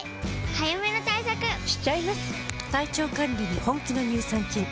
早めの対策しちゃいます。